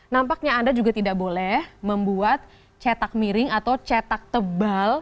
nampaknya anda juga tidak boleh membuat cetak miring atau cetak tebal